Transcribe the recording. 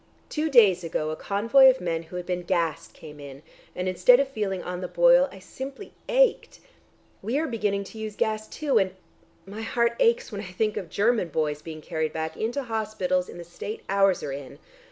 Two days ago a convoy of men who had been gassed came in, and instead of feeling on the boil, I simply ached. We are beginning to use gas too, and ... my heart aches when I think of German boys being carried back into hospitals in the state ours are in.